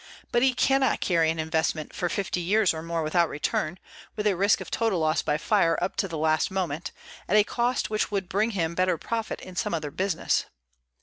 But he cannot carry an investment for fifty years or more without return, with a risk of total loss by fire up to the last moment, at a cost which would bring him better profit in some other business.